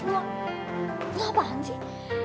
lu apaan sih